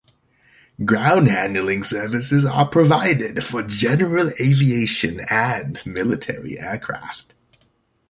Ground handling services are provided for general aviation and military aircraft.